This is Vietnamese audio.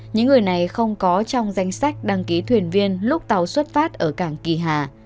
những người này không có trong danh sách đăng ký thuyền viên lúc tàu xuất phát ở cảng kỳ hà